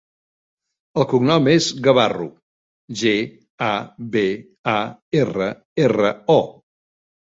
El cognom és Gabarro: ge, a, be, a, erra, erra, o.